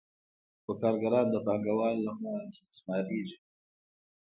خو کارګران د پانګوال له خوا استثمارېږي